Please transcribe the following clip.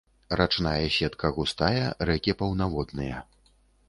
Рачная сетка густая, рэкі паўнаводныя.